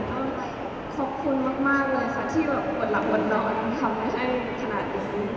ก็ขอบคุณมากเลยค่ะที่แบบอดหลับอดนอนทำให้ได้ขนาดนี้